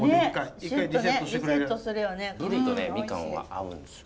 ぶりとねみかんは合うんですよ。